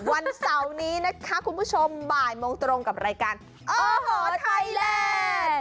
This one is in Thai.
วันเสาร์นี้นะคะคุณผู้ชมบ่ายโมงตรงกับรายการโอ้โหไทยแลนด์